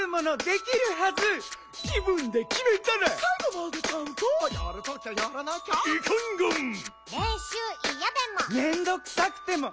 「めんどくさくても」